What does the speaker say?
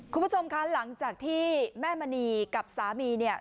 คุณผู้ชมคะหลังจากที่แม่มณีกับสามีเนี่ย